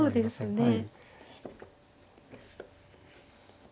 はい。